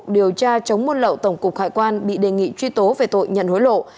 điều tra chống buôn lậu tổng cục hải quan bị đề nghị truy tố về tội nhận hối lộ